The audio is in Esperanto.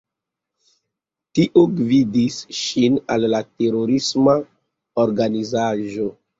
Tio gvidis ŝin al la terorisma organizaĵo.